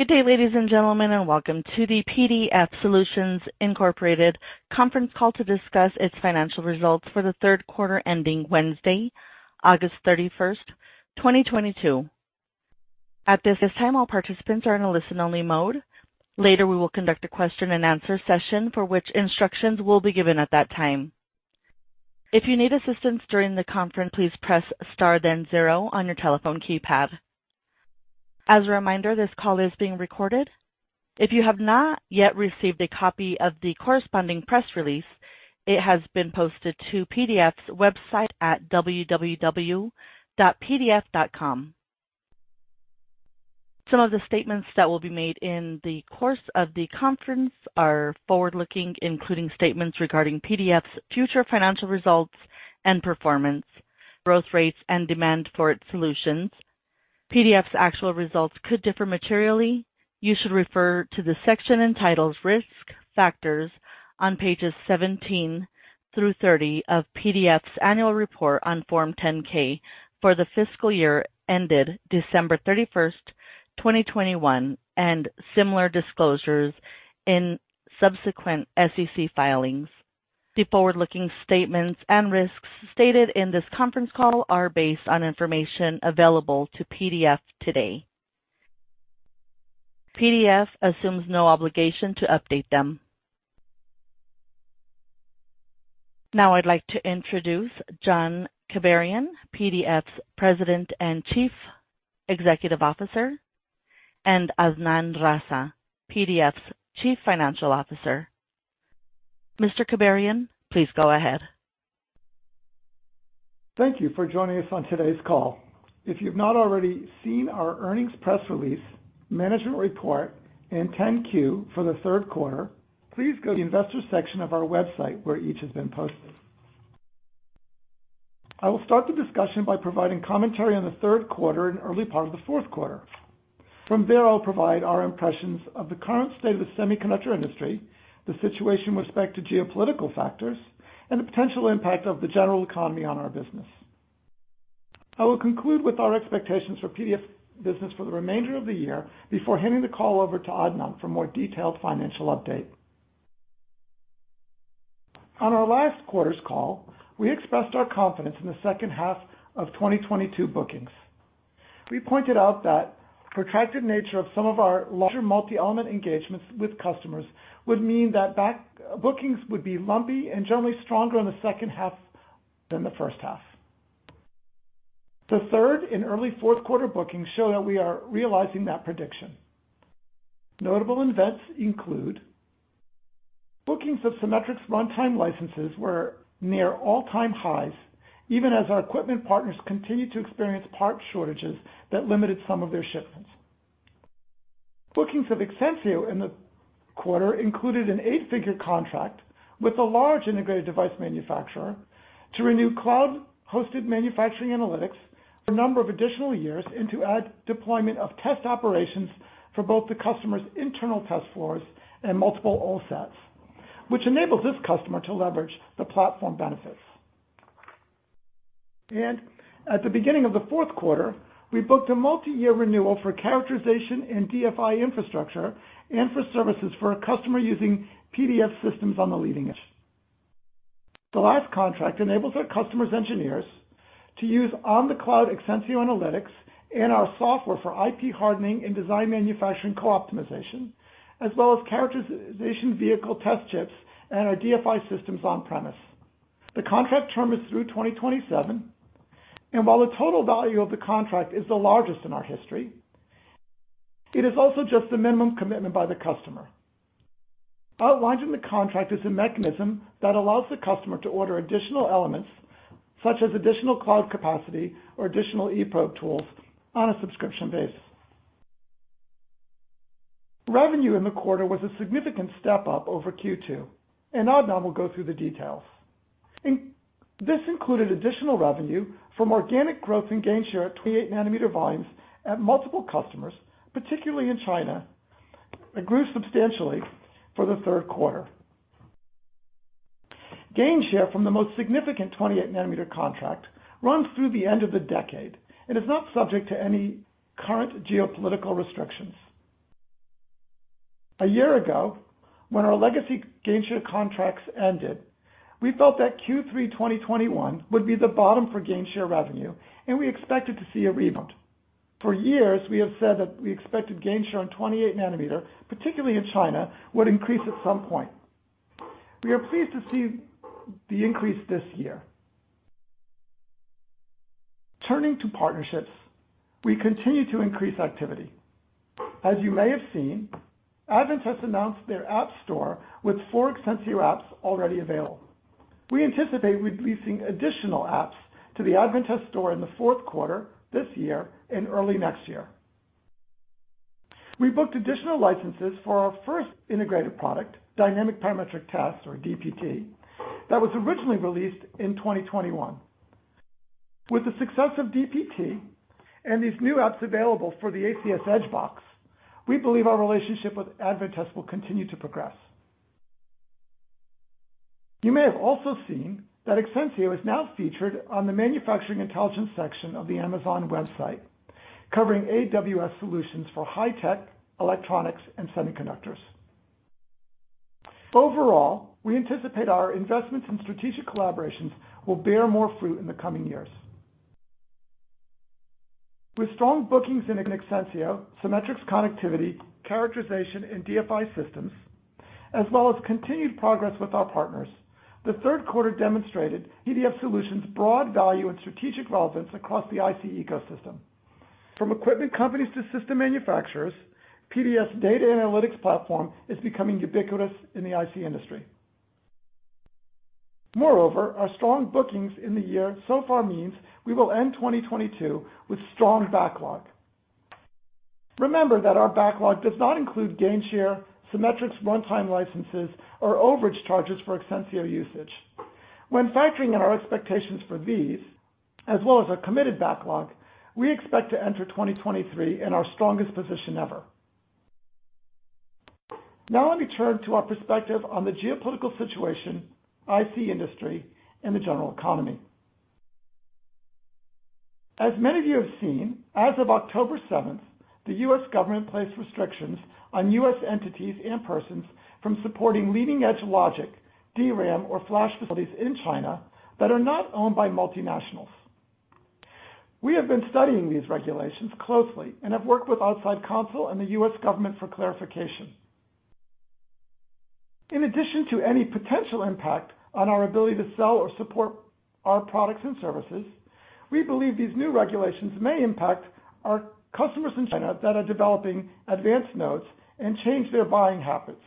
Good day, ladies and gentlemen, and welcome to the PDF Solutions, Inc. conference call to discuss its financial results for the Q3 ending Wednesday, August 31, 2022. At this time, all participants are in a listen-only mode. Later, we will conduct a question and answer session for which instructions will be given at that time. If you need assistance during the conference, please press star then 0 on your telephone keypad. As a reminder, this call is being recorded. If you have not yet received a copy of the corresponding press release, it has been posted to PDF's website at www.pdf.com. Some of the statements that will be made in the course of the conference are forward-looking, including statements regarding PDF's future financial results and performance, growth rates, and demand for its solutions. PDF's actual results could differ materially. You should refer to the section entitled Risk Factors on pages 17 through 30 of the PDF's annual report on Form 10-K for the fiscal year ended December 31, 2021, and similar disclosures in subsequent SEC filings. The forward-looking statements and risks stated in this conference call are based on information available to PDF today. PDF assumes no obligation to update them. Now I'd like to introduce John Kibarian, PDF's President and Chief Executive Officer, and Adnan Raza, PDF's Chief Financial Officer. Mr. Kibarian, please go ahead. Thank you for joining us on today's call. If you've not already seen our earnings press release, management report, and 10-Q for the Q3, please go to the investor section of our website, where each has been posted. I will start the discussion by providing commentary on the Q3 and early part of the Q4. From there, I'll provide our impressions of the current state of the semiconductor industry, the situation with respect to geopolitical factors, and the potential impact of the general economy on our business. I will conclude with our expectations for PDF business for the remainder of the year before handing the call over to Adnan Raza for more detailed financial update. On our last quarter's call, we expressed our confidence in the second half of 2022 bookings. We pointed out that protracted nature of some of our larger multi-element engagements with customers would mean that back-bookings would be lumpy and generally stronger in the second half than the first half. The third and early Q4 bookings show that we are realizing that prediction. Notable events include bookings of Cimetrix runtime licenses were near all-time highs, even as our equipment partners continued to experience parts shortages that limited some of their shipments. Bookings of Exensio in the quarter included an eight-figure contract with a large integrated device manufacturer to renew cloud-hosted manufacturing analytics for a number of additional years, and to add deployment of test operations for both the customer's internal test floors and multiple OSAT, which enables this customer to leverage the platform benefits. At the beginning of the Q4, we booked a multi-year renewal for characterization and DFI infrastructure and for services for a customer using PDF Solutions on the leading edge. The last contract enables our customers' engineers to use in the cloud Exensio Analytics and our software for IP hardening and design manufacturing co-optimization, as well as characterization vehicle test chips and our DFI systems on-premise. The contract term is through 2027, and while the total value of the contract is the largest in our history, it is also just the minimum commitment by the customer. Underlying the contract is a mechanism that allows the customer to order additional elements such as additional cloud capacity or additional eProbe tools on a subscription basis. Revenue in the quarter was a significant step up over Q2, and Adnan will go through the details. This included additional revenue from organic growth in gainshare at 28-nanometer volumes at multiple customers, particularly in China, that grew substantially for the Q3. Gainshare from the most significant 28-nanometer contract runs through the end of the decade and is not subject to any current geopolitical restrictions. A year ago, when our legacy gainshare contracts ended, we felt that Q3 2021 would be the bottom for gainshare revenue, and we expected to see a rebound. For years, we have said that we expected gainshare on 28-nanometer, particularly in China, would increase at some point. We are pleased to see the increase this year. Turning to partnerships, we continue to increase activity. As you may have seen, Advantest announced their app store with 4 Exensio apps already available. We anticipate releasing additional apps to the Advantest store in the Q4 this year and early next year. We booked additional licenses for our first integrated product, dynamic parametric tests or DPT, that was originally released in 2021. With the success of DPT and these new apps available for the ACS Edge Box, we believe our relationship with Advantest will continue to progress. You may have also seen that Exensio is now featured on the manufacturing intelligence section of the Amazon website, covering AWS solutions for high-tech electronics and semiconductors. Overall, we anticipate our investments in strategic collaborations will bear more fruit in the coming years. With strong bookings in Exensio, Cimetrix connectivity, characterization, and DFI systems, as well as continued progress with our partners, the Q3 demonstrated PDF Solutions' broad value and strategic relevance across the IC ecosystem. From equipment companies to system manufacturers, PDF's data analytics platform is becoming ubiquitous in the IC industry. Moreover, our strong bookings in the year so far means we will end 2022 with strong backlog. Remember that our backlog does not include gain share, Cimetrix runtime licenses, or overage charges for Exensio usage. When factoring in our expectations for these, as well as our committed backlog, we expect to enter 2023 in our strongest position ever. Now let me turn to our perspective on the geopolitical situation, IC industry, and the general economy. As many of you have seen, as of October 7, the U.S. government placed restrictions on U.S. entities and persons from supporting leading-edge logic, DRAM, or flash facilities in China that are not owned by multinationals. We have been studying these regulations closely and have worked with outside counsel and the U.S. government for clarification. In addition to any potential impact on our ability to sell or support our products and services, we believe these new regulations may impact our customers in China that are developing advanced nodes and change their buying habits.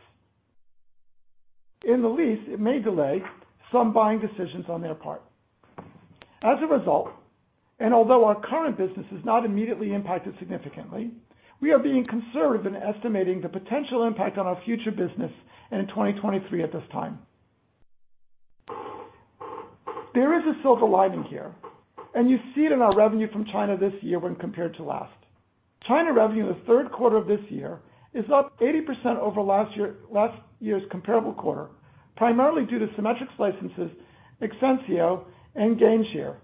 In the least, it may delay some buying decisions on their part. As a result, although our current business is not immediately impacted significantly, we are being conservative in estimating the potential impact on our future business in 2023 at this time. There is a silver lining here, and you see it in our revenue from China this year when compared to last. China's revenue in the Q3 of this year is up 80% over last year, last year's comparable quarter, primarily due to Cimetrix licenses, Exensio, and gain share,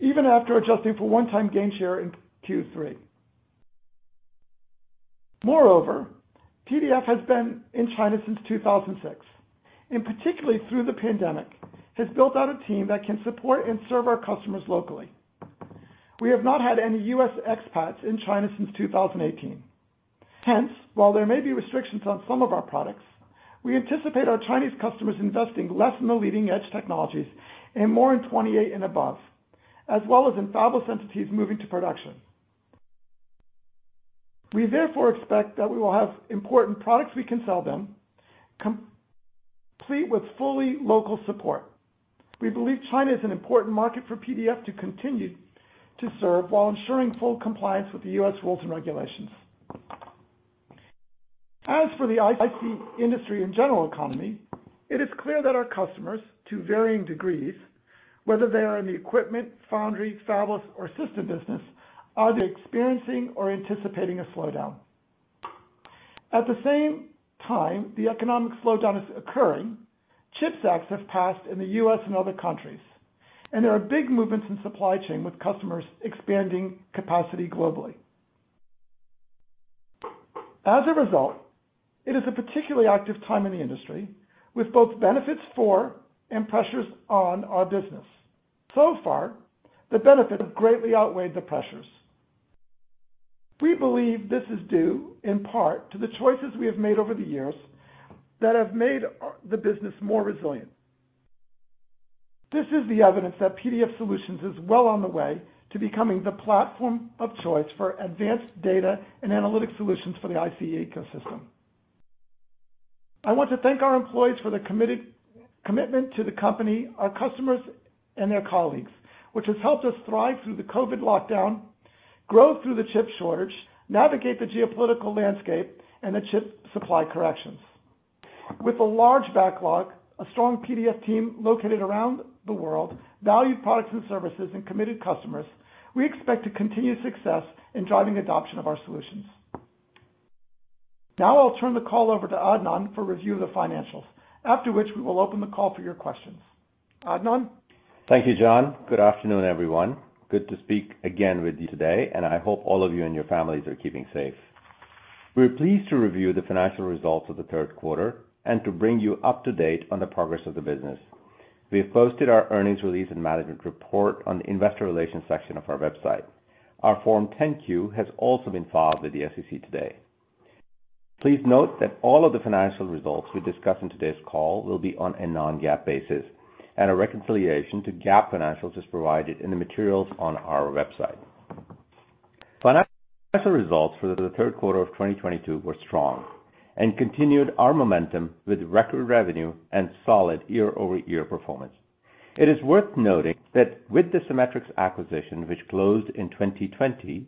even after adjusting for one-time gain share in Q3. Moreover, PDF has been in China since 2006, and particularly through the pandemic, has built out a team that can support and serve our customers locally. We have not had any U.S. expats in China since 2018. Hence, while there may be restrictions on some of our products, we anticipate our Chinese customers investing less in the leading-edge technologies and more in 28 and above, as well as in fabless entities moving to production. We therefore expect that we will have important products we can sell them, complete with fully local support. We believe China is an important market for PDF to continue to serve while ensuring full compliance with the U.S. rules and regulations. As for the IC industry and general economy, it is clear that our customers, to varying degrees, whether they are in the equipment, foundry, fabless, or system business, are either experiencing or anticipating a slowdown. At the same time, the economic slowdown is occurring, the CHIPS Acts have passed in the U.S. and other countries, and there are big movements in supply chain with customers expanding capacity globally. As a result, it is a particularly active time in the industry with both benefits for and pressures on our business. Far, the benefits have greatly outweighed the pressures. We believe this is due in part to the choices we have made over the years that have made our business more resilient. This is the evidence that PDF Solutions is well on the way to becoming the platform of choice for advanced data and analytic solutions for the IC ecosystem. I want to thank our employees for their commitment to the company, our customers, and their colleagues, which has helped us thrive through the COVID lockdown, grow through the chip shortage, navigate the geopolitical landscape, and the chip supply corrections. With a large backlog, a strong PDF team located around the world, valued products and services, and committed customers, we expect to continue success in driving adoption of our solutions. Now I'll turn the call over to Adnan for review of the financials, after which we will open the call for your questions. Adnan? Thank you, John. Good afternoon, everyone. Good to speak again with you today, and I hope all of you and your families are keeping safe. We're pleased to review the financial results of Q3 and to bring you up to date on the progress of the business. We have posted our earnings release and management report on the investor relations section of our website. Our Form 10-Q has also been filed with the SEC today. Please note that all of the financial results we discuss in today's call will be on a non-GAAP basis, and a reconciliation to GAAP financials is provided in the materials on our website. Financial results for Q3 of 2022 were strong and continued our momentum with record revenue and solid year-over-year performance. It is worth noting that with the Cimetrix acquisition, which closed in 2020,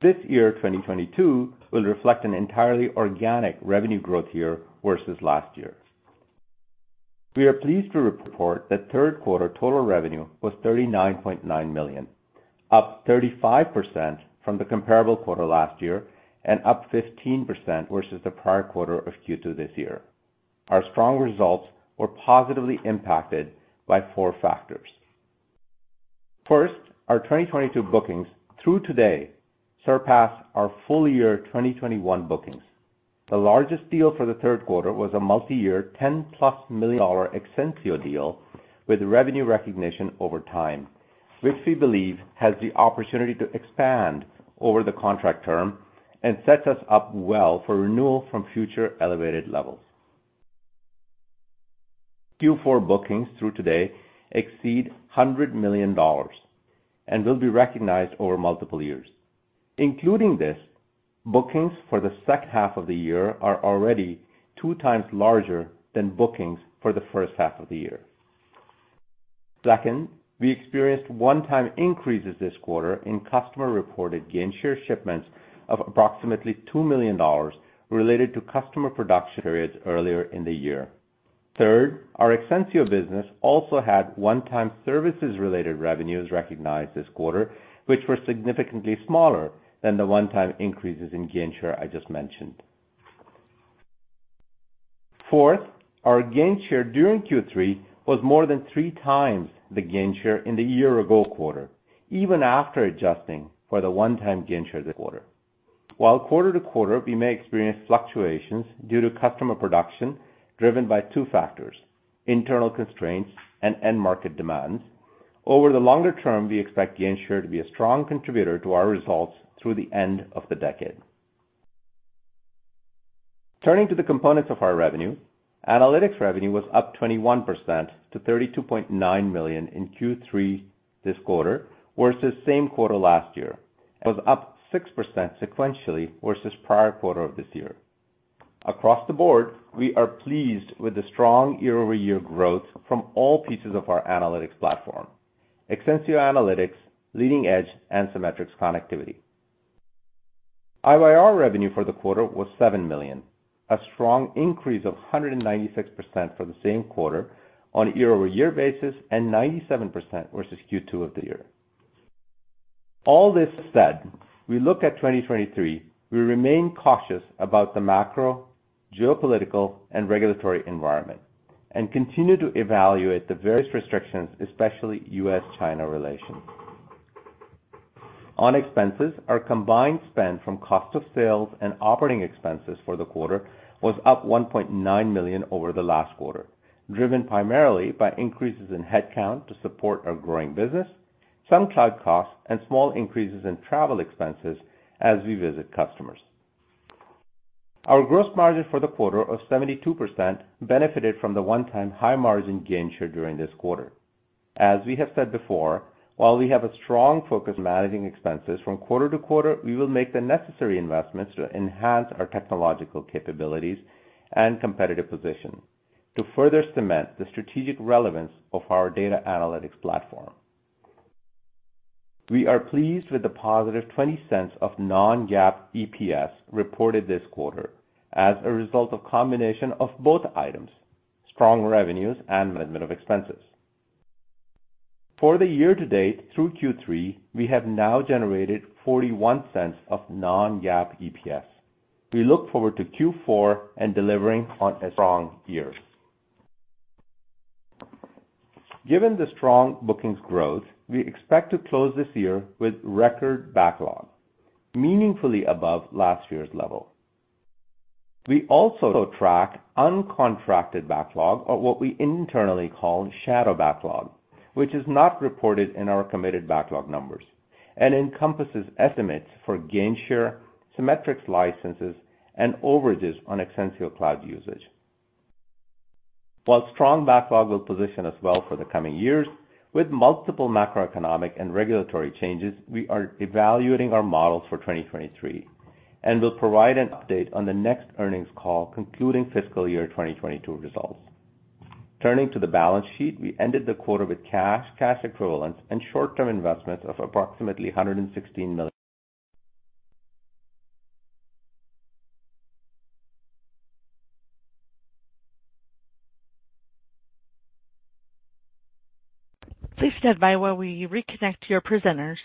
this year, 2022, will reflect an entirely organic revenue growth year versus last year's. We are pleased to report that Q3 total revenue was $39.9 million. Up 35% from the comparable quarter last year and up 15% versus the prior quarter of Q2 this year. Our strong results were positively impacted by four factors. First, our 2022 bookings through today surpass our full-year 2021 bookings. The largest deal for the Q3 was a multi-year $10+ million Exensio deal with revenue recognition over time, which we believe has the opportunity to expand over the contract term and sets us up well for renewal from future elevated levels. Q4 bookings through today exceed $100 million and will be recognized over multiple years. Including this, bookings for the second half of the year are already 2x larger than bookings for the first half of the year. Second, we experienced one-time increases this quarter in customer reported gainshare shipments of approximately $2 million related to customer production periods earlier in the year. Third, our Exensio business also had one-time services related revenues recognized this quarter, which were significantly smaller than the one-time increases in gainshare I just mentioned. Fourth, our gainshare during Q3 was more than 3 times the gainshare in the year-ago quarter, even after adjusting for the one-time gainshare this quarter. While quarter-to-quarter, we may experience fluctuations due to customer production driven by two factors: internal constraints and end market demands. Over the longer term, we expect gainshare to be a strong contributor to our results through the end of the decade. Turning to the components of our revenue, analytics revenue was up 21% to $32.9 million in Q3 this quarter versus same quarter last year, was up 6% sequentially versus the prior quarter of this year. Across the board, we are pleased with the strong year-over-year growth from all pieces of our analytics platform, Exensio Analytics, Leading Edge, and Cimetrix Connectivity. IYR revenue for the quarter was $7 million, a strong increase of 196% for the same quarter on a year-over-year basis and 97% versus Q2 of the year. All this said, we look at 2023, we remain cautious about the macro, geopolitical, and regulatory environment and continue to evaluate the various restrictions, especially U.S.-China relations. On expenses, our combined spend from cost of sales and operating expenses for the quarter was up $1.9 million over the last quarter, driven primarily by increases in headcount to support our growing business, some cloud costs, and small increases in travel expenses as we visit customers. Our gross margin for the quarter of 72% benefited from the one-time high margin gainshare during this quarter. As we have said before, while we have a strong focus on managing expenses from quarter to quarter, we will make the necessary investments to enhance our technological capabilities and competitive position to further cement the strategic relevance of our data analytics platform. We are pleased with the positive $0.20 of non-GAAP EPS reported this quarter as a result of combination of both items, strong revenues, and management of expenses. For the year to date through Q3, we have now generated $0.41 of non-GAAP EPS. We look forward to Q4 and delivering on a strong year. Given the strong bookings growth, we expect to close this year with a record backlog meaningfully above last year's level. We also track uncontracted backlog or what we internally call shadow backlog, which is not reported in our committed backlog numbers and encompasses estimates for gainshare, Cimetrix licenses, and overages on Exensio Cloud usage. While strong backlog will position us well for the coming years with multiple macroeconomic and regulatory changes, we are evaluating our models for 2023 and will provide an update on the next earnings call concluding fiscal year 2022 results. Turning to the balance sheet, we ended the quarter with cash equivalents and short-term investments of approximately $116 million. Please stand by while we reconnect your presenters.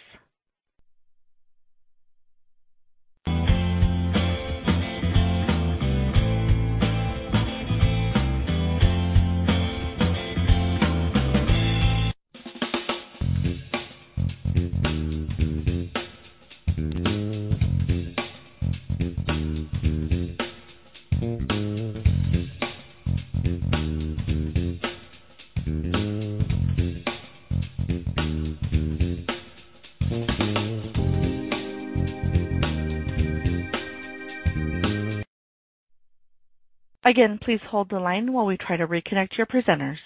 Again, please hold the line while we try to reconnect your presenters.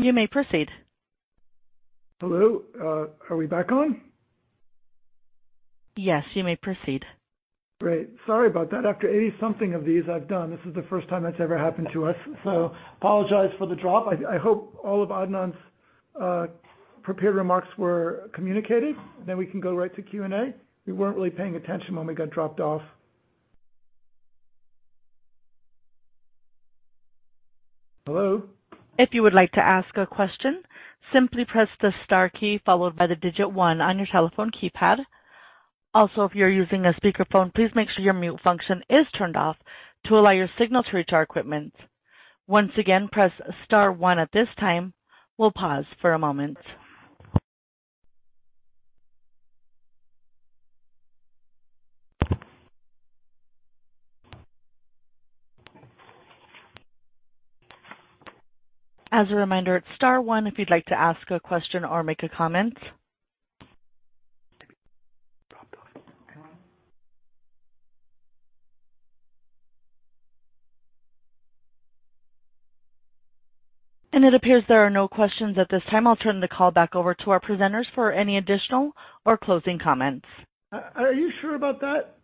You may proceed. Hello? Are we back on? Yes, you may proceed. Great. Sorry about that. After it something of these I've done, this is the first time it's ever happened to us. Apologize for the drop. I hope all of Adnan's prepared remarks were communicated; then we can go right to Q&A. We weren't really paying attention when we got dropped off. Hello. If you would like to ask a question, simply press the star key followed by the digit 1 on your telephone keypad. Also, if you're using a speakerphone, please make sure your mute function is turned off to allow your signal to reach our equipment. Once again, press star 1 at this time. We'll pause for a moment. As a reminder, it's star 1 if you'd like to ask a question or make a comment. It appears there are no questions at this time. I'll turn the call back over to our presenters for any additional or closing comments. Are you sure about that?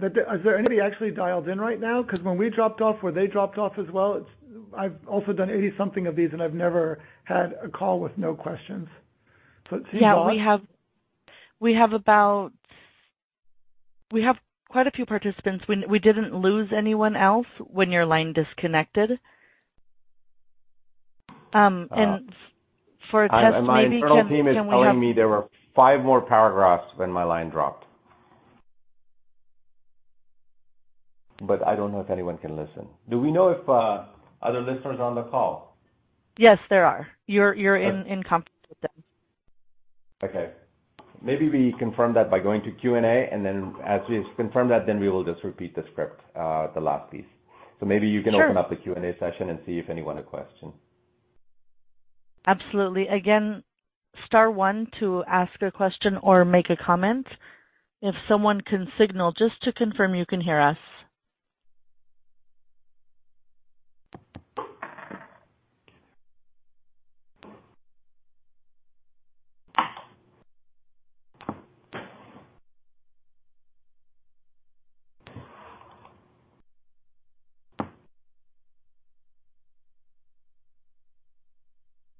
Is there anybody actually dialed in right now? 'Cause when we dropped off or they dropped off as well, it's. I've also done it something of these, and I've never had a call with no questions. Seems off. we have quite a few participants. We didn't lose anyone else when your line disconnected. For a test, maybe can we have- My internal team is telling me there were five more paragraphs when my line dropped. I don't know if anyone can listen. Do we know if other listeners are on the call? Yes, there are. You're in conference with them. Okay. Maybe we can confirm that by going to Q&A, and then, as we confirm that, we will just repeat the script, the last piece. Sure. Maybe you can open up the Q&A session and see if anyone has questions. Absolutely. Again, star 1 to ask a question or make a comment. If someone can signal just to confirm you can hear us.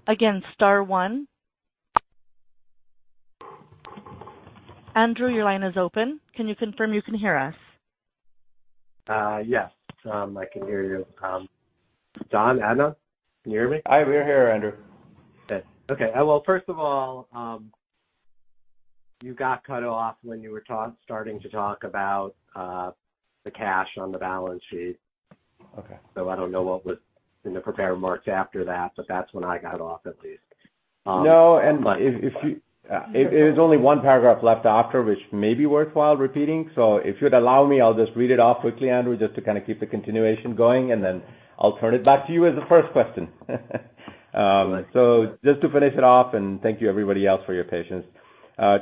Again, star 1to. Andrew, your line is open. Can you confirm you can hear us? Yes, I can hear you. John, Adnan, can you hear me? I hear you, Andrew. Good. Okay. Well, first of all, you got cut off when you were starting to talk about the cash on the balance sheet. Okay. I don't know what was in the prepared remarks after that, but that's when I got off at least. No, it is only one paragraph left after, which may be worthwhile repeating. If you'd allow me, I'll just read it off quickly, Andrew, just to kind of keep the continuation going, and then I'll turn it back to you as the first question. Just to finish it off, and thank you everybody else for your patience.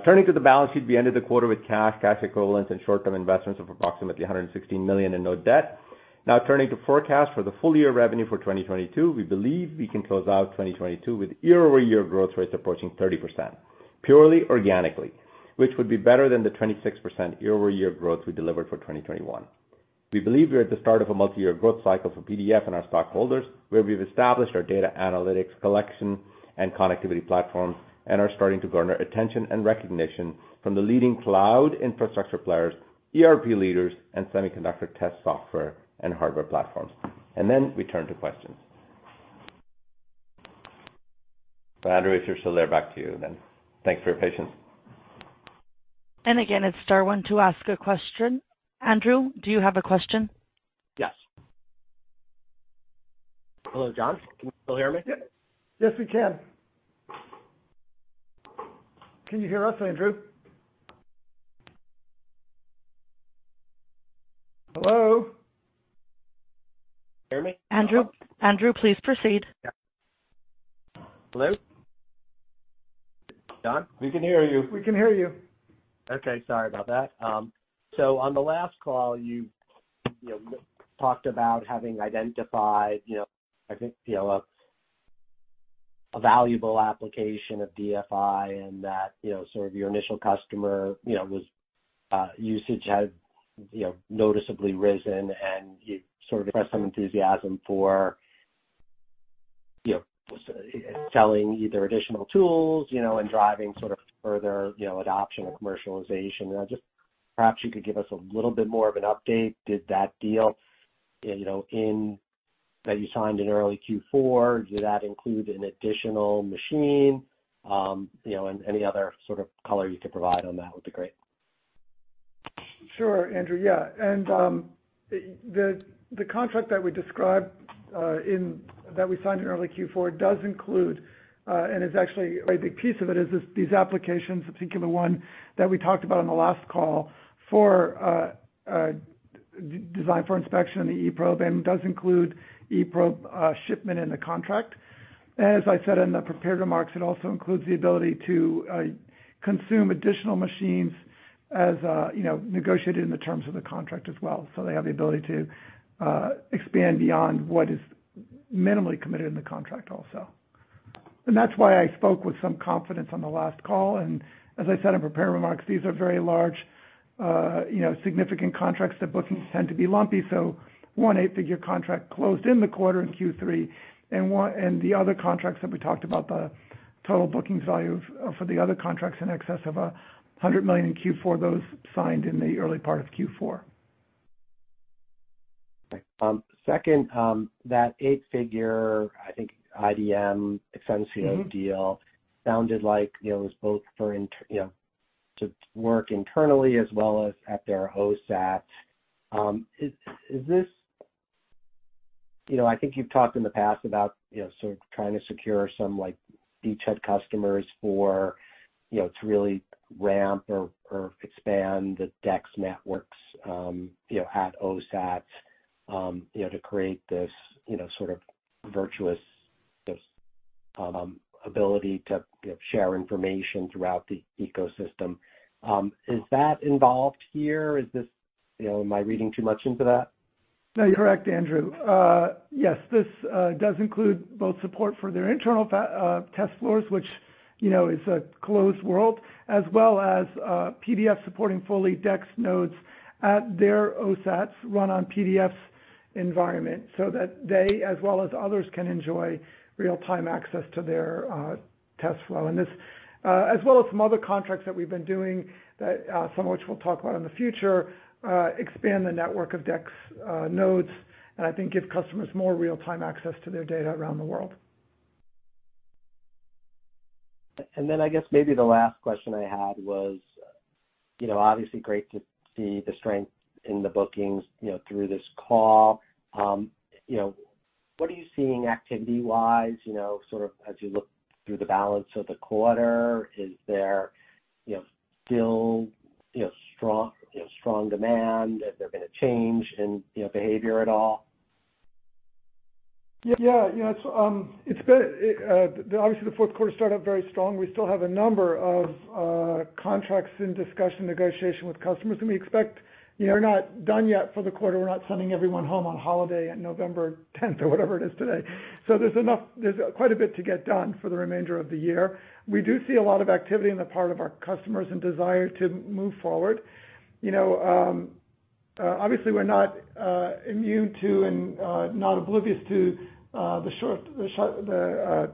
Turning to the balance sheet, we ended the quarter with cash equivalents and short-term investments of approximately $116 million and no debt. Now turning to forecast for the full year revenue for 2022, we believe we can close out 2022 with year-over-year growth rates approaching 30%, purely organically, which would be better than the 26% year-over-year growth we delivered for 2021. We believe we are at the start of a multi-year growth cycle for PDF and our stockholders, where we've established our data analytics collection and connectivity platforms and are starting to garner attention and recognition from the leading cloud infrastructure players, ERP leaders, and Semiconductor test software and hardware platforms. Then we turn to questions. Andrew, if you're still there, back to you then. Thanks for your patience. Again, it's star 1 to ask a question. Andrew, do you have a question? Yes. Hello, John. Can you still hear me? Yep. Yes, we can. Can you hear us, Andrew? Hello? Hear me? Andrew, please proceed. Hello? John? We can hear you. We can hear you. Okay. Sorry about that. On the last call,, you talked about having identified,, I think,, a valuable application of DFI and that,, sort of your initial customer,, was usage had,, noticeably risen, and you sort of expressed some enthusiasm for,, selling either additional tools,, and driving sort of further,, adoption or commercialization. Perhaps you could give us a little bit more of an update. Did that deal,, in that you signed in early Q4, did that include an additional machine? Any other sort of color you could provide on that would be great. Sure, Andrew. The contract that we described that we signed in early Q4 does include, and is actually a big piece of it, these applications, particular one that we talked about on the last call for design for inspection in the eProbe, and does include eProbe shipment in the contract. As I said in the prepared remarks, it also includes the ability to consume additional machines, as negotiated in the terms of the contract as well. They have the ability to expand beyond what is minimally committed in the contract. That's why I spoke with some confidence on the last call. As I said in prepared remarks, these are very large, significant contracts. The bookings tend to be lumpy. 1/8-figure contract closed in the quarter in Q3 and the other contracts that we talked about, the total bookings value of for the other contracts in excess of $100 million in Q4, those signed in the early part of Q4. Okay. Second, that 8-figure, I think IDM. Exensio deal sounded like it was both for, to work internally as well as at their OSAT. Is this... I think you've talked in the past about, sort of trying to secure some like beachhead customers for, to really ramp or expand the DEX networks, at OSAT, to create this, sort of virtuous, this ability to, share information throughout the ecosystem. Is that involved here? Is this, am I reading too much into that? No, you're correct, Andrew. Yes, this does include both support for their internal test floors, which is a closed world, as well as PDF supporting fully DEX nodes at their OSATs run on PDF's environment, so that they, as well as others, can enjoy real-time access to their test flow. This, as well as some other contracts that we've been doing, some of which we'll talk about in the future, expand the network of DEX nodes, and I think give customers more real-time access to their data around the world. I guess maybe the last question I had was, obviously great to see the strength in the bookings, through this call. What are you seeing activity-wise, sort of as you look through the balance of the quarter? Is there still strong demand? Is there been a change in behavior at all? it's been, obviously, the Q4 started out very strong. We still have a number of contracts in discussion, negotiation with customers, and we expect we're not done yet for the quarter. We're not sending everyone home on holiday on November tenth or whatever it is today. There's enough, there's quite a bit to get done for the remainder of the year. We do see a lot of activity on the part of our customers and a desire to move forward. obviously we're not immune to and not oblivious to the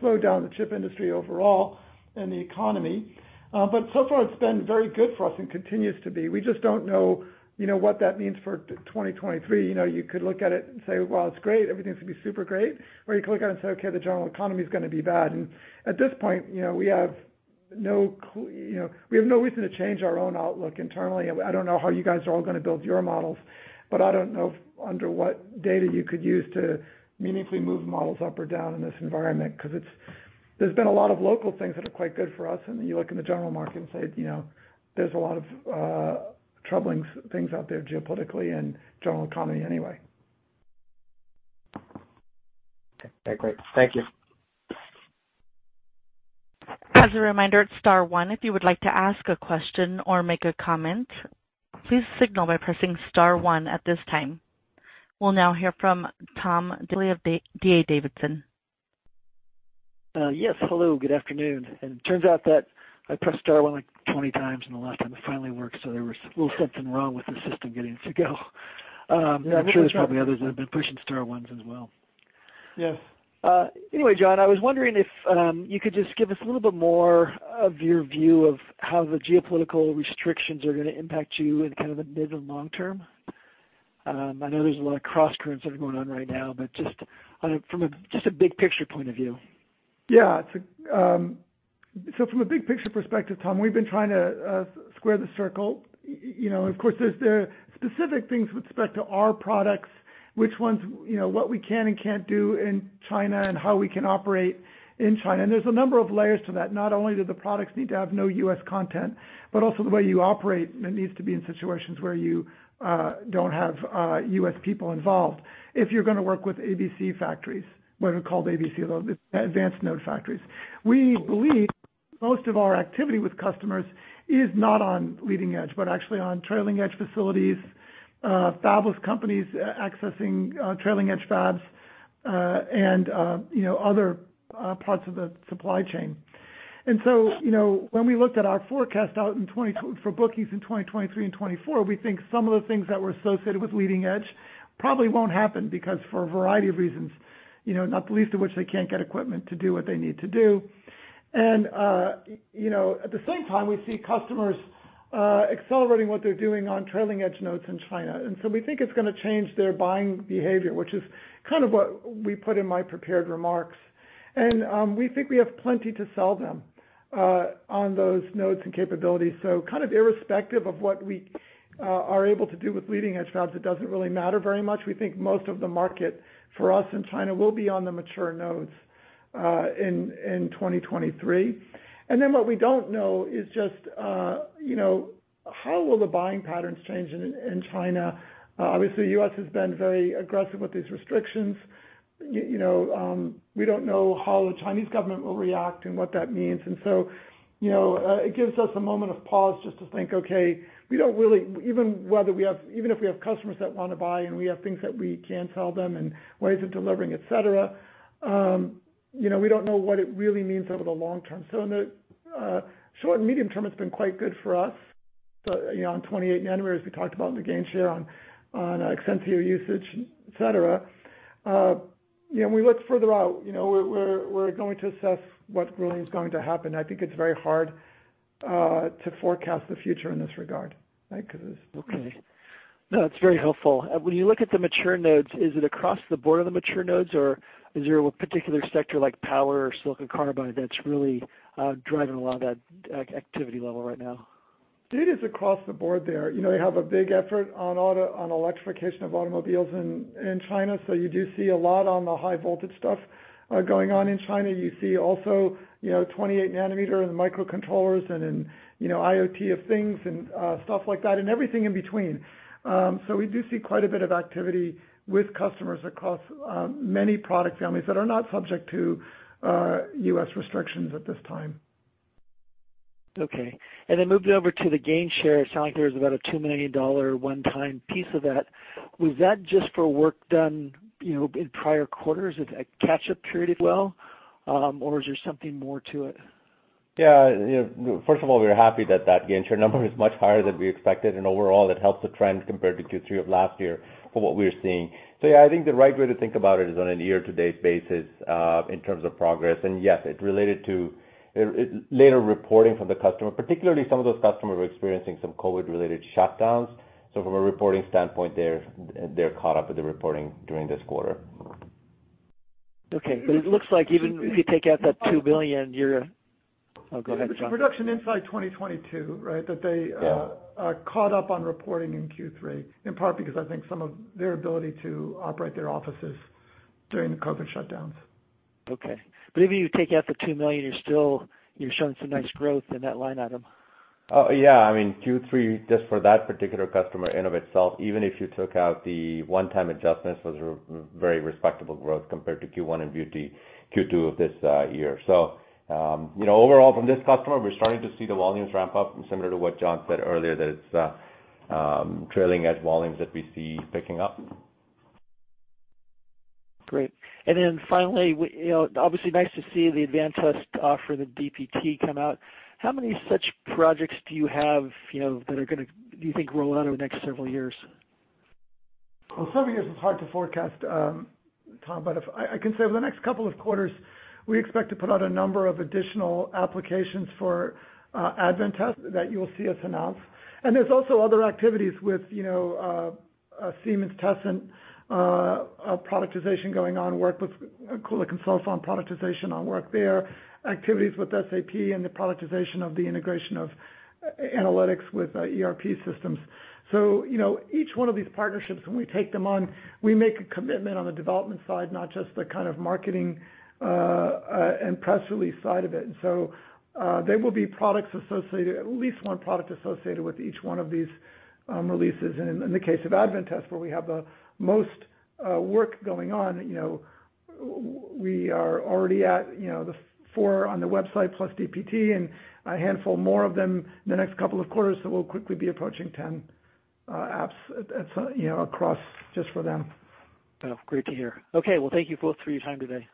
slowdown in the chip industry overall and the economy. So far it's been very good for us and continues to be. We just don't know what that means for 2023. you could look at it and say, "Well, it's great. Everything's gonna be super great." Or you could look at it and say, "Okay, the general economy is gonna be bad." At this point,, we have no reason to change our own outlook internally. I don't know how you guys are all gonna build your models, but I don't know under what data you could use to meaningfully move models up or down in this environment 'cause it's, there's been a lot of local things that are quite good for us, and you look in the general market and say there's a lot of troubling things out there geopolitically and general economy anyway. Okay. Great. Thank you. As a reminder, it's star 1. If you would like to ask a question or make a comment, please signal by pressing star 1 at this time. We'll now hear from Tom Diffely of D.A. Davidson. Yes, hello. Good afternoon. It turns out that I pressed star 1, like, 20x, and the last time it finally worked, so there was a little something wrong with the system getting to go. I'm sure there's probably others that have been pushing star 1 as well. Yes. Anyway, John, I was wondering if you could just give us a little bit more of your view of how the geopolitical restrictions are gonna impact you in kind of the mid to long term. I know there's a lot of crosscurrents that are going on right now, but just from a big picture point of view? It's from a big picture perspective, Tom, we've been trying to square the circle. Of course, there's the specific things with respect to our products, which ones, ,what we can and can't do in China and how we can operate in China. There's a number of layers to that. Not only do the products need to have no U.S. content, but also the way you operate needs to be in situations where you don't have U.S. people involved if you're gonna work with ABC factories, what are called ABC, advanced node factories. We believe most of our activity with customers is not on leading edge, but actually on trailing edge facilities, fabless companies accessing trailing edge fabs, and, other parts of the supply chain. When we looked at our forecast out in 2020 for bookings in 2023 and 2024, we think some of the things that were associated with leading edge probably won't happen because for a variety of reasons,, not the least of which they can't get equipment to do what they need to do. at the same time, we see customers accelerating what they're doing on trailing edge nodes in China. We think it's gonna change their buying behavior, which is kind of what we put in my prepared remarks. We think we have plenty to sell them on those nodes and capabilities. Kind of irrespective of what we are able to do with leading edge nodes, it doesn't really matter very much. We think most of the market for us in China will be on the mature nodes in 2023. Then what we don't know is just how will the buying patterns change in China? Obviously, U.S. has been very aggressive with these restrictions. We don't know how the Chinese government will react and what that means. You know it gives us a moment of pause just to think, okay, even if we have customers that wanna buy, and we have things that we can sell them and ways of delivering, et cetera, we don't know what it really means over the long term. In the short and medium term, it's been quite good for us. On 28-nanometers, we talked about in the gain share on Exensio usage, et cetera. When we look further out, we're going to assess what really is going to happen. I think it's very hard to forecast the future in this regard, right? 'Cause it's- Okay. No, it's very helpful. When you look at the mature nodes, is it across the board of the mature nodes, or is there a particular sector like power or silicon carbide that's really driving a lot of that activity level right now? Data across the board there. They have a big effort on auto, on electrification of automobiles in China. You do see a lot of the high voltage stuff going on in China. You also see 28-nanometer and microcontrollers and IoT of things, and stuff like that, and everything in between. We do see quite a bit of activity with customers across many product families that are not subject to U.S. restrictions at this time. Okay. Then moving over to the gain share, it sounded like there was about a $2 million one-time piece of that. Was that just for work done in prior quarters, a catch-up period as well, or is there something more to it? First of all, we are happy that gain share number is much higher than we expected, and overall, it helps the trend compared to Q3 of last year for what we're seeing. I think the right way to think about it is on a year-to-date basis, in terms of progress. Yes, it related to later reporting from the customer, particularly some of those customers were experiencing some COVID-related shutdowns. From a reporting standpoint, they're caught up with the reporting during this quarter. Okay. It looks like even if you take out that $2 million. Oh, go ahead, John. It's a production in 2022, right? are caught up on reporting in Q3, in part because I think some of their ability to operate their offices during the COVID shutdowns. Okay. Even if you take out the $2 million, you're still showing some nice growth in that line item. Oh, I mean, Q3, just for that particular customer in and of itself, even if you took out the one-time adjustments, was a very respectable growth compared to Q1 and Q2 of this year. Overall, from this customer, we're starting to see the volumes ramp up, and similar to what John said earlier, that it's trailing edge volumes that we see picking up. Great. Finally, obviously nice to see the Advantest for the DPT come out. How many such projects do you have that are gonna, you think, roll out over the next several years? Well, several years is hard to forecast, Tom, but I can say over the next couple of quarters, we expect to put out a number of additional applications for Advantest that you will see us announce. There's also other activities with Siemens Tessent, a productization going on, work with Kulicke & Soffa on productization work there, activities with SAP and the productization of the integration of Exensio Analytics with ERP systems. each one of these partnerships, when we take them on, we make a commitment on the development side, not just the kind of marketing and press release side of it. There will be products associated, at least one product associated with each one of these releases. In the case of Advantest, where we have the most work going on,, we are already at,, the 4 on the website plus DPT and a handful more of them in the next couple of quarters that we'll quickly be approaching 10 apps at across just for them. Oh, great to hear. Okay. Well, thank you both for your time today.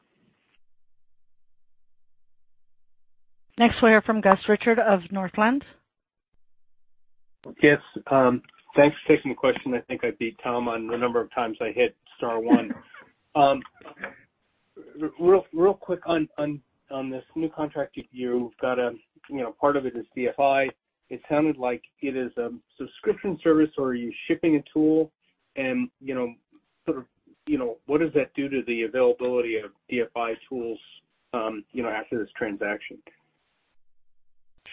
Next, we'll hear from Gus Richard of Northland. Yes. Thanks for taking the question. I think I beat Tom on the number of times I hit star 1. Real quick on this new contract, you've got a part of it is DFI. It sounded like it is a subscription service or are you shipping a tool? sort of, what does that do to the availability of DFI tools after this transaction?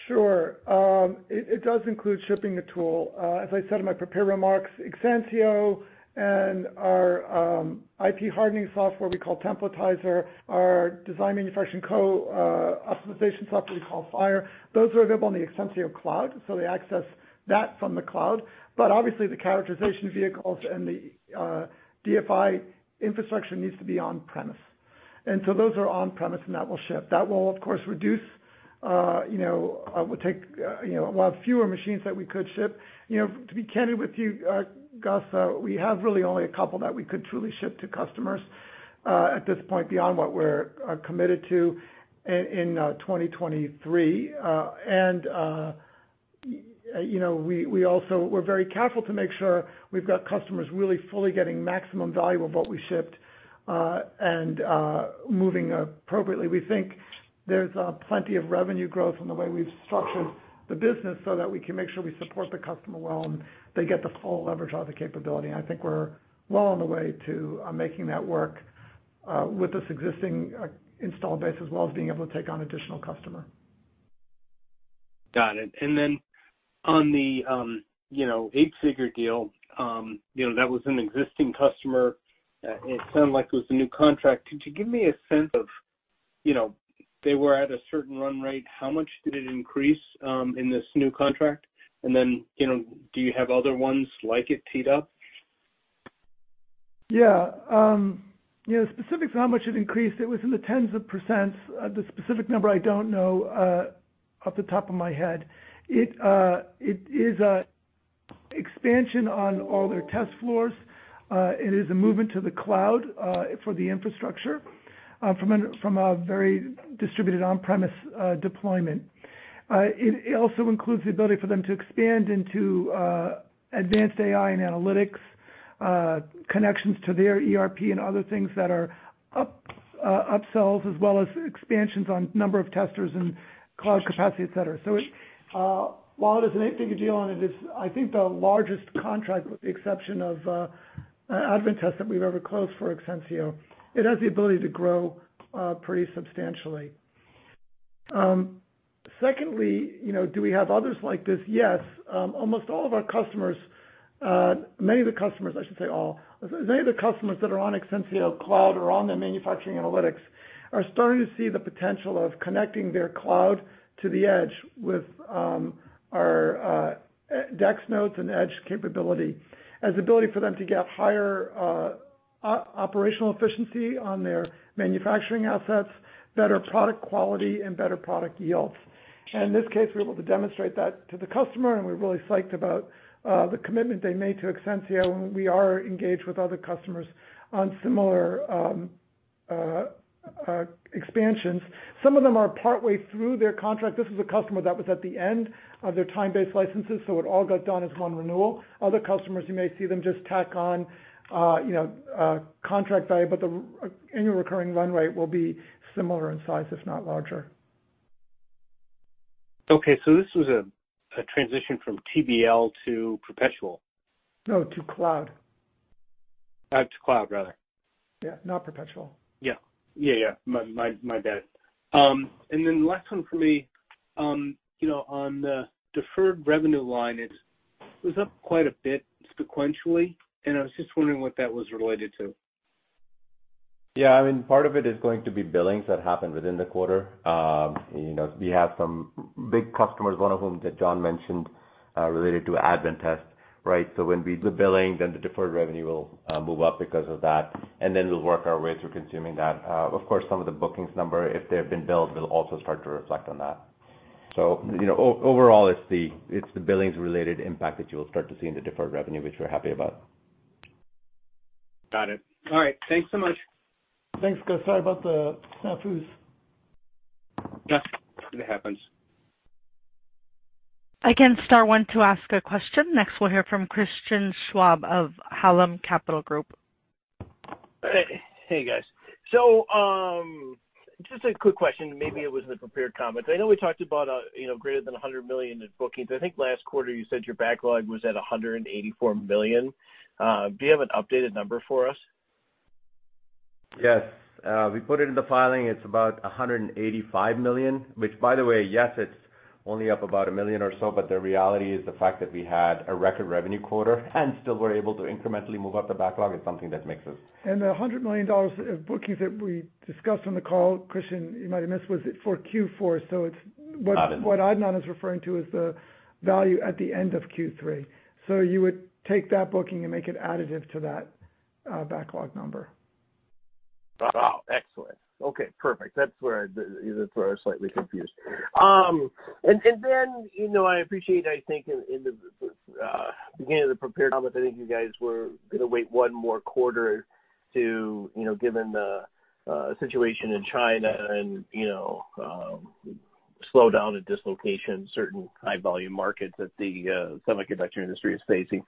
Sure. It does include shipping a tool. As I said in my prepared remarks, Exensio and our IP hardening software we call Templatizer, our design-manufacturing optimization software we call FIRE, those are available on the Exensio Cloud, so they access that from the cloud. But obviously the characterization vehicles and the DFI infrastructure needs to be on-premise. Those are on-premise, and that will ship. That will, of course, reduce. we'll have fewer machines that we could ship. to be candid with you, Gus, we have really only a couple that we could truly ship to customers at this point beyond what we're committed to in 2023. We're very careful to make sure we've got customers really fully getting maximum value of what we shipped, and moving appropriately. We think there's plenty of revenue growth in the way we've structured the business so that we can make sure we support the customer well, and they get the full leverage on the capability. I think we're well on the way to making that work with this existing installed base as well as being able to take on additional customer. Got it. On the 8-figure deal that was an existing customer. It sounded like it was a new contract. Could you give me a sense of,, they were at a certain run rate, how much did it increase, in this new contract? do you have other ones like it teed up? the specifics on how much it increased, it was in the tens of %. The specific number I don't know off the top of my head. It is an expansion on all their test floors. It is a movement to the cloud for the infrastructure from a very distributed on-premise deployment. It also includes the ability for them to expand into advanced AI and analytics connections to their ERP and other things that are upsells as well as expansions on number of testers and cloud capacity, et cetera. While it is an eight-figure deal, and it is I think the largest contract with the exception of Advantest that we've ever closed for Exensio, it has the ability to grow pretty substantially. Secondly, do we have others like this? Yes. Many of the customers, I should say all, that are on Exensio Cloud or on their manufacturing analytics are starting to see the potential of connecting their cloud to the edge with our DEX nodes and edge capability as ability for them to get higher operational efficiency on their manufacturing assets, better product quality and better product yields. In this case, we're able to demonstrate that to the customer, and we're really psyched about the commitment they made to Exensio, and we are engaged with other customers on similar expansions. Some of them are partway through their contract. This is a customer that was at the end of their time-based licenses, it all got done as one renewal. Other customers, you may see them just tack on, , a contract value, but the annual recurring run rate will be similar in size, if not larger. Okay, this was a transition from TBL to perpetual. No, to cloud. To cloud, rather. not perpetual. My bad. Last one for me on the deferred revenue line, it was up quite a bit sequentially, and I was just wondering what that was relate to? I mean, part of it is going to be billings that happened within the quarter. we have some big customers, one of whom that John mentioned, related to Advantest, right? So when we do billing, then the deferred revenue will move up because of that, and then we'll work our way through consuming that. Of course, some of the bookings number, if they've been billed, will also start to reflect on that. So,, overall, it's the billings-related impact that you will start to see in the deferred revenue, which we're happy about. Got it. All right. Thanks so much. Thanks. Sorry about the snafus. It happens. Again, star one to ask a question. Next, we'll hear from Christian Schwab of Craig-Hallum Capital Group. Hey, guys. Just a quick question. Maybe it was in the prepared comments. I know we talked about greater than $100 million in bookings. I think last quarter you said your backlog was at $184 million. Do you have an updated number for us? Yes. We put it in the filing. It's about $185 million, which by the way, yes, it's only up about $1 million or so, but the reality is the fact that we had a record revenue quarter and still were able to incrementally move up the backlog is something that makes us. The $100 million of bookings that we discussed on the call, Christian, you might have missed, was for Q4. Got it. What Adnan Raza is referring to is the value at the end of Q3. You would take that booking and make it additive to that backlog number. Wow. Excellent. Okay, perfect. That's where I was slightly confused. Then, I appreciate. I think in the beginning of the prepared comments, I think you guys were gonna wait one more quarter to given the situation in China and slow down and dislocation certain high volume markets that the semiconductor industry is facing.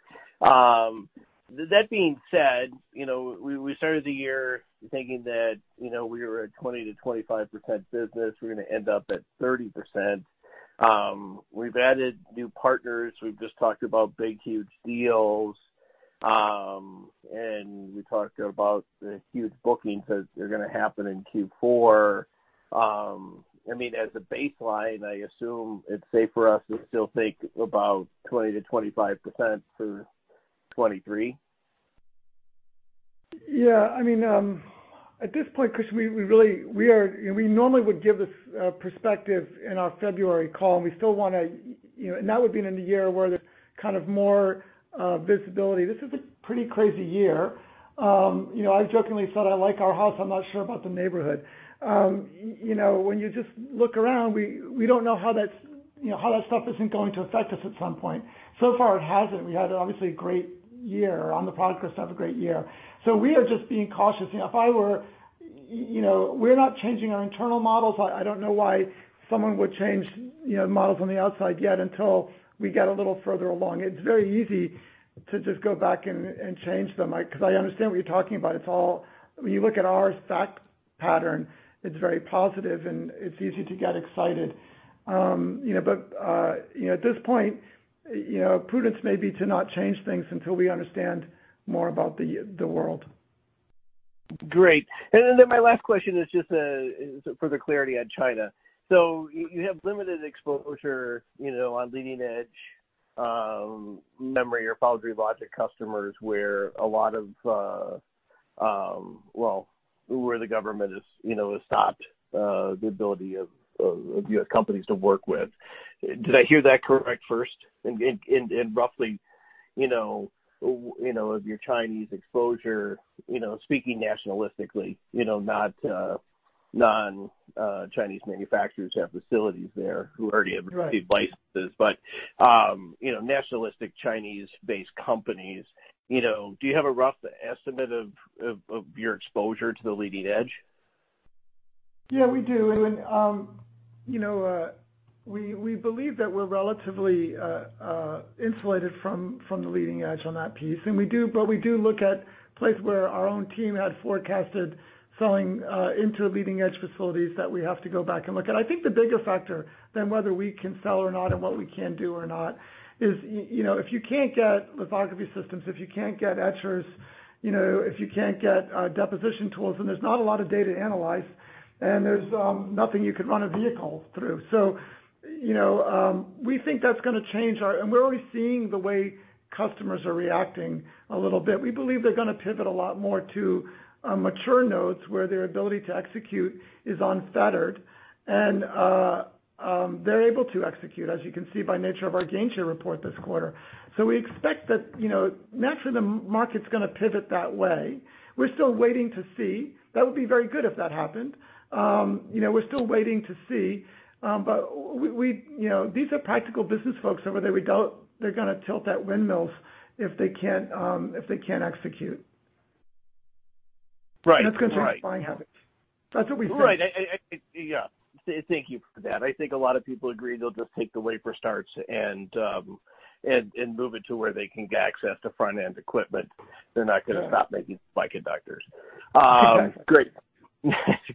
That being said, we started the year thinking that we were at 20%-25% business. We're gonna end up at 30%. We've added new partners. We've just talked about big, huge deals. We talked about the huge bookings that are gonna happen in Q4. I mean, as a baseline, I assume it's safe for us to still think about 20%-25% for 2023. I mean, at this point, Christian, we really would give this perspective in our February call, and we still wanna, now we've been in a year where there's kind of more visibility. This is a pretty crazy year. I jokingly said, I like our house. I'm not sure about the neighborhood. WhenIf you just look around, we don't know how that's how that stuff isn't going to affect us at some point. So far it hasn't. We had obviously a great year on the podcast. Have a great year. We are just being cautious. if I were you. We're not changing our internal models. I don't know why someone would change models on the outside, yet until we get a little further along. It's very easy to just go back and change them because I understand what you're talking about. It's all. When you look at our stock pattern, it's very positive, and it's easy to get excited. but at this point, , prudence may be to not change things until we understand more about the world. Great. My last question is just for the clarity on China. You have limited exposure on leading edge memory or foundry logic customers, where the government has stopped the ability of U.S. companies to work with. Did I hear that correct first? Roughly, of your Chinese exposure,, speaking nationalistically, non-Chinese manufacturers have facilities there who already have received licenses. nationalistic Chinese-based companies, do you have a rough estimate of your exposure to the leading edge? We do. we believe that we're relatively insulated from the leading edge on that piece, and we do look at places where our own team had forecasted selling into leading-edge facilities that we have to go back and look at. I think the bigger factor than whether we can sell or not and what we can do or not is,, if you can't get lithography systems, if you can't get etchers,, if you can't get deposition tools, then there's not a lot of data to analyze, and there's nothing you can run a vehicle through. we think that's gonna change our. We're already seeing the way customers are reacting a little bit. We believe they're gonna pivot a lot more to mature nodes where their ability to execute is unfettered and they're able to execute, as you can see by nature of our gainshare report this quarter. We expect that, naturally the market's gonna pivot that way. We're still waiting to see. That would be very good if that happened. We're still waiting to see. These are practical business folks, so they're gonna tilt at windmills if they can't execute. Right. That's gonna change buying habits. That's what we think. Right. Thank you for that. I think a lot of people agree they'll just take the wafer starts and move it to where they can get access to front-end equipment. They're not gonna stop making semiconductors.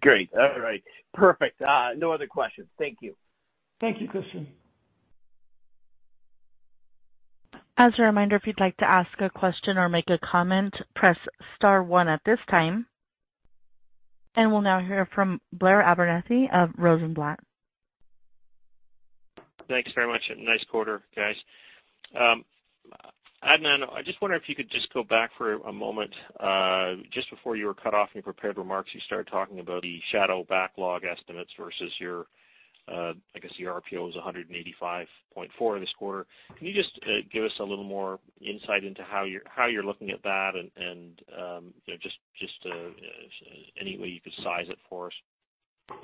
Great. All right. Perfect. No other questions. Thank you. Thank you, Christian. As a reminder, if you'd like to ask a question or make a comment, press star 1 at this time. We'll now hear from Blair Abernethy of Rosenblatt. Thanks very much. Nice quarter, guys. Adnan, I just wonder if you could just go back for a moment. Just before you were cut off in your prepared remarks, you started talking about the shadow backlog estimates versus your, I guess, your RPO is 185.4 this quarter. Can you just give us a little more insight into how you're looking at that and just any way you court load size it for us?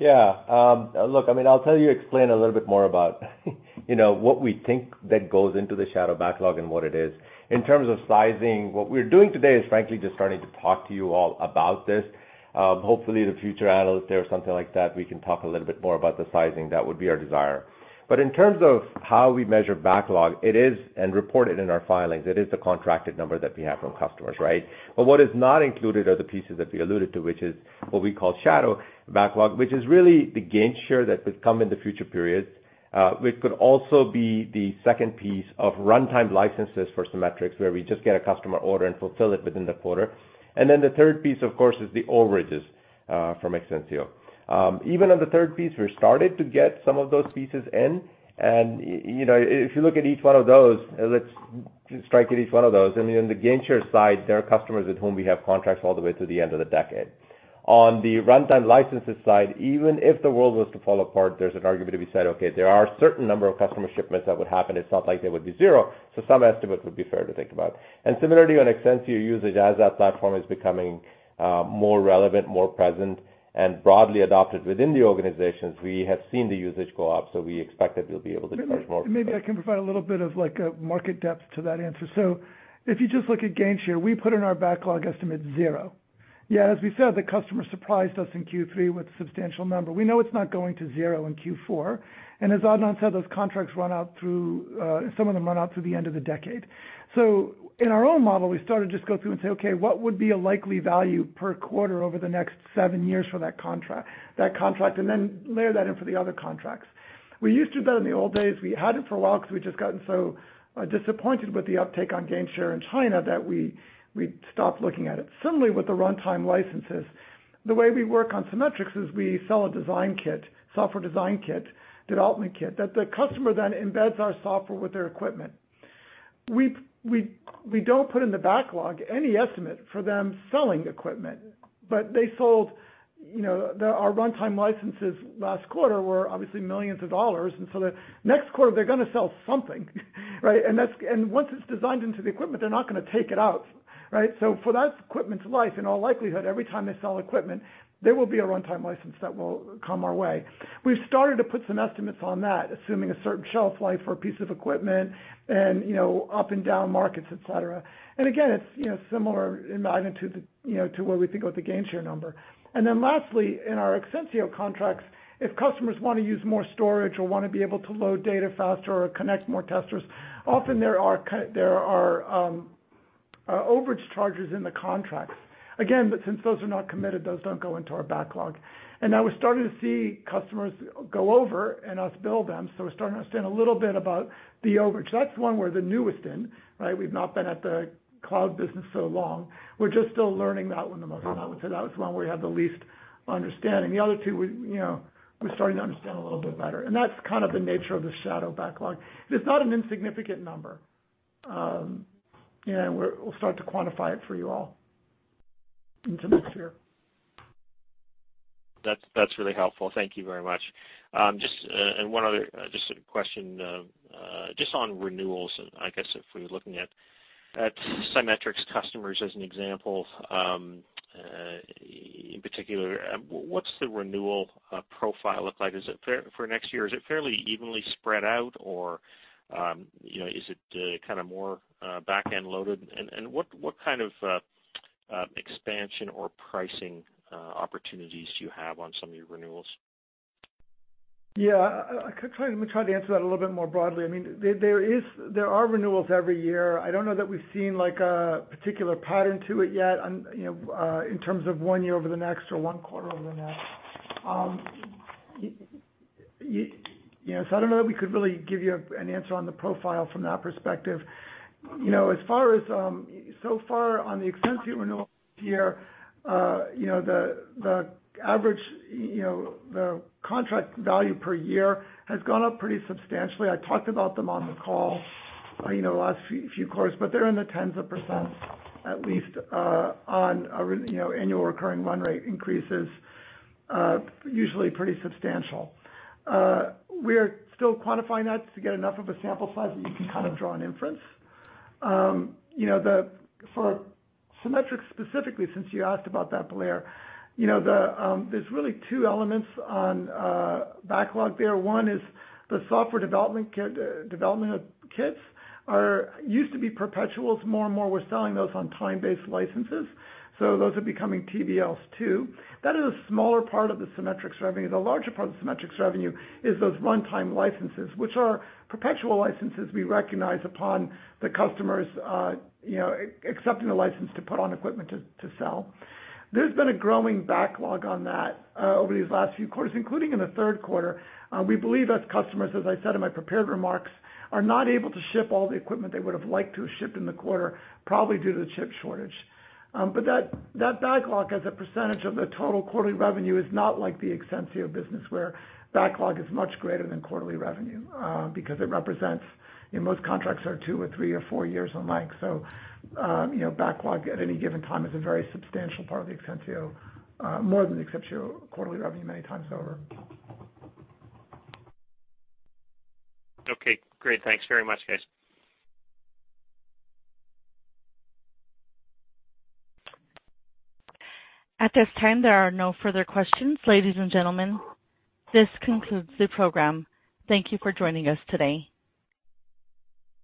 Look, I mean, I'll tell you, explain a little bit more about what we think that goes into the shadow backlog and what it is. In terms of sizing, what we're doing today is frankly just starting to talk to you all about this. Hopefully, the future Analyst Day or something like that, we can talk a little bit more about the sizing. That would be our desire. In terms of how we measure backlog, it is, and reported in our filings, the contracted number that we have from customers, right? What is not included are the pieces that we alluded to, which is what we call shadow backlog, which is really the gainshare that would come in the future periods, which could also be the second piece of runtime licenses for some metrics, where we just get a customer order and fulfill it within the quarter. The third piece, of course, is the overages from Exensio. Even on the third piece, we're starting to get some of those pieces in. If you look at each one of those, let's strike at each one of those. I mean, on the gainshare side, there are customers with whom we have contracts all the way to the end of the decade. On the runtime licenses side, even if the world was to fall apart, there's an argument to be said, okay, there are certain number of customer shipments that would happen. It's not like they would be zero, so some estimates would be fair to think about. Similarly, on Exensio usage, as that platform is becoming more relevant, more present, and broadly adopted within the organizations, we have seen the usage go up, so we expect that we'll be able to charge more. Maybe I can provide a little bit of, like, a market depth to that answer. If you just look at gainshare, we put in our backlog estimate 0. As we said, the customer surprised us in Q3 with a substantial number. We know it's not going to 0 in Q4. As Adnan said, those contracts run out through, some of them run out through the end of the decade. In our own model, we started to just go through and say, okay, what would be a likely value per quarter over the next 7 years for that contract, and then layer that in for the other contracts. We used to do that in the old days. We had it for a while because we'd just gotten so, disappointed with the uptake on gainshare in China that we stopped looking at it. Similarly, with the runtime licenses, the way we work on Cimetrix is we sell a design kit, software design kit, development kit, that the customer then embeds our software with their equipment. We don't put in the backlog any estimate for them selling equipment, but they sold. our runtime licenses last quarter were obviously $ millions, and so the next quarter they're gonna sell something, right? Once it's designed into the equipment, they're not gonna take it out. Right? For that equipment's life, in all likelihood, every time they sell equipment, there will be a runtime license that will come our way. We've started to put some estimates on that, assuming a certain shelf life for a piece of equipment and, up and down markets, et cetera. Again, it's similar in magnitude to what we think about the gainshare number. Then lastly in our Exensio contracts if customers wanna use more storage or wanna be able to load data faster or connect more testers often there are overage charges in the contracts. Again since those are not committed those don't go into our backlog. Now we're starting to see customers go over and us bill them so we're starting to understand a little bit about the overage. That's one we're the newest in right? We've not been at the cloud business so long. We're just still learning that one the most. I would say that one we have the least understanding. The other two we we're starting to understand a little bit better. That's kind of the nature of the shadow backlog. It's not an insignificant number. We'll start to quantify it for you all into next year. That's really helpful. Thank you very much. One other just sort of question just on renewals. I guess if we were looking at Cimetrix customers as an example, in particular, what's the renewal profile look like? For next year, is it fairly evenly spread out or, is it kinda more back-end loaded? What kind of expansion or pricing opportunities do you have on some of your reneals? Let me try to answer that a little bit more broadly. I mean, there are renewals every year. I don't know that we've seen like a particular pattern to it yet on,, in terms of one year over the next or one quarter over the next. so I don't know that we could really give you an answer on the profile from that perspective. as far as so far on the Exensio renewal year,, the average,, the contract value per year has gone up pretty substantially. I talked about them on the call,, the last few quarters, but they're in the tens of % at least,, annual recurring run rate increases, usually pretty substantial. We are still quantifying that to get enough of a sample size that you can kind of draw an inference. for Cimetrix specifically, since you asked about that, Blair,, there's really two elements on backlog there. One is the software development kits used to be perpetual. More and more we're selling those on time-based licenses. So those are becoming TBLs too. That is a smaller part of the Cimetrix revenue. The larger part of the Cimetrix revenue is those runtime licenses, which are perpetual licenses we recognize upon the customers accepting the license to put on equipment to sell. There's been a growing backlog on that over these last few quarters, including in the Q3. We believe as customers, as I said in my prepared remarks, are not able to ship all the equipment they would've liked to ship in the quarter, probably due to the chip shortage. That backlog as a percentage of the total quarterly revenue is not like the Exensio business where backlog is much greater than quarterly revenue, because it represents, most contracts are 2 or 3 or 4 years or the like. backlog at any given time is a very substantial part of the Exensio, more than Exensio quarterly revenue many times over. Okay, great. Thanks very much, guys. At this time, there are no further questions. Ladies and gentlemen, this concludes the program. Thank you for joining us today.